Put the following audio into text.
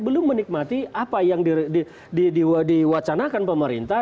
belum menikmati apa yang diwacanakan pemerintah